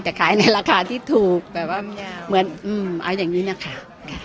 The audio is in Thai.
แต่ขายในราคาที่ถูกแบบว่าเหมือนเอาอย่างนี้นะคะ